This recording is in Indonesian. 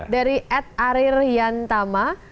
dari ed arir yantama